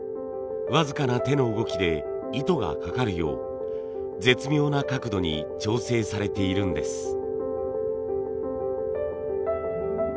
僅かな手の動きで糸がかかるよう絶妙な角度に調整されているんです。